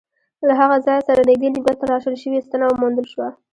له هغه ځای سره نږدې نیمه تراشل شوې ستنه وموندل شوه.